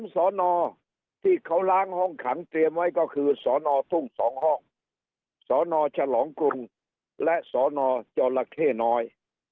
สอนอที่เขาล้างห้องขังเตรียมไว้ก็คือสนทุ่ง๒ห้องสนฉลองกรุงและสนจรเข้น้อย